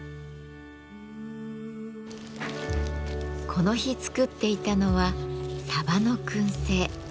この日作っていたのはサバの燻製。